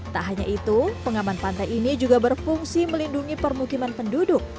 tak hanya itu pengaman pantai ini juga berfungsi melindungi permukiman penduduk